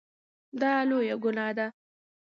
دا لویه ګناه ده.